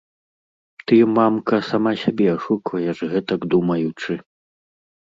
Ты, мамка, сама сябе ашукваеш, гэтак думаючы.